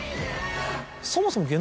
そもそも。